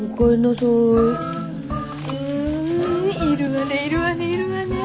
うふふいるわねいるわねいるわねぇ。